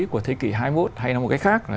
của thế kỷ hai mươi một hay nói một cách khác